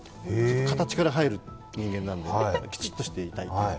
形から入る人間なんで、きちっとしていたい。